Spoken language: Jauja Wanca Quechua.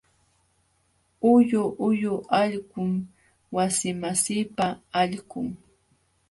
Huyu huyu allqum wasimasiipa allqun.